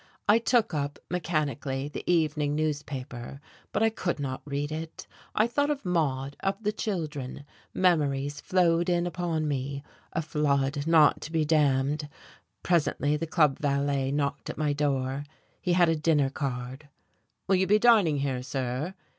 I took up, mechanically, the evening newspaper, but I could not read it; I thought of Maude, of the children, memories flowed in upon me, a flood not to be dammed.... Presently the club valet knocked at my door. He had a dinner card. "Will you be dining here, sir?"